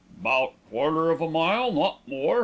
"'Bout quarter of a mile, not more.